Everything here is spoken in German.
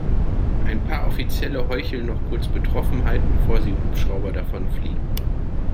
Ein paar Offizielle heucheln noch kurz Betroffenheit, bevor sie im Hubschrauber davonfliegen.